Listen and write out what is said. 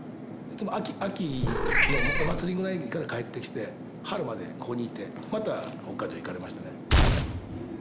いつも秋のお祭りぐらいに帰ってきて春までここにいてまた北海道行かれましたね。